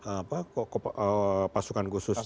apa pasukan khusus